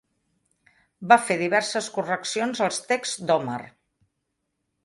Va fer diverses correccions als texts d'Homer.